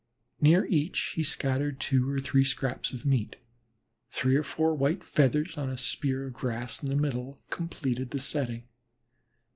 Near each he scattered two or three scraps of meat; three or four white feathers on a spear of grass in the middle completed the setting.